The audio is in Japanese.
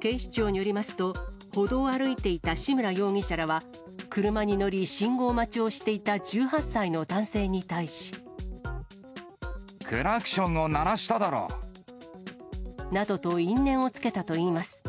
警視庁によりますと、歩道を歩いていた志村容疑者らは、車に乗り、信号待ちをしていた１８歳の男性に対し。などと、因縁をつけたといいます。